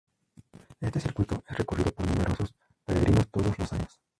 Este circuito es recorrido por numerosos peregrinos todos los años.